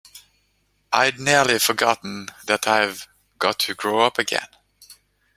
I’d nearly forgotten that I’ve got to grow up again!